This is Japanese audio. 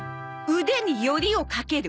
「腕によりをかける」ね。